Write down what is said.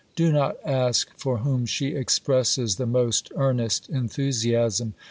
do not ask for whom she expresses the most earnest enthusiasm!